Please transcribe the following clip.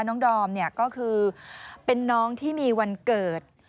น้องดอมก็คือเป็นน้องที่มีวันเกิด